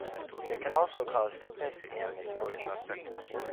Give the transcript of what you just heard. They can also cause sickness and misfortune.